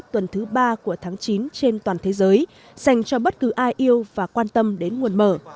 tuần thứ ba của tháng chín trên toàn thế giới dành cho bất cứ ai yêu và quan tâm đến nguồn mở